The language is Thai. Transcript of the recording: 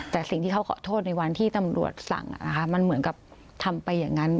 แต่สิ่งที่เขาขอโทษในวันที่ตำรวจสั่งมันเหมือนกับทำไปอย่างนั้น